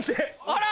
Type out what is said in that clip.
あら！